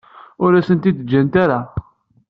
Ur asent-tent-id-ǧǧant ara.